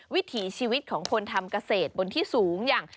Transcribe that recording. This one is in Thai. วิถีชีวิตของคนทำเกษตรบนที่สูงอย่าง